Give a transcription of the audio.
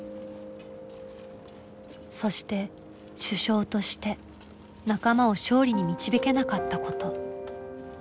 そして主将として仲間を勝利に導けなかったこと。